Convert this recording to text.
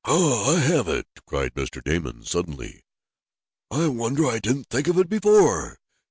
"Ha! I have it!" cried Mr. Damon suddenly. "I wonder I didn't think of it before.